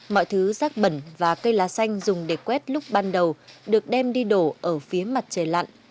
mọi thứ rác bẩn và cây lá xanh dùng để quét lúc ban đầu được đem đi đổ ở phía mặt trời lặn